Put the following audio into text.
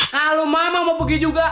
kalo mama mau pergi juga